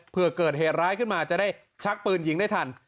เพื่อเกิดเหตุร้ายขึ้นมาจะได้ชักปืนยิงได้ทัน